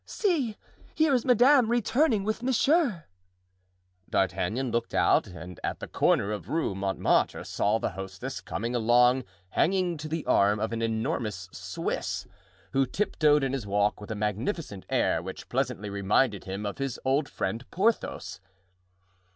see! here is madame returning with monsieur." D'Artagnan looked out and at the corner of Rue Montmartre saw the hostess coming along hanging to the arm of an enormous Swiss, who tiptoed in his walk with a magnificent air which pleasantly reminded him of his old friend Porthos.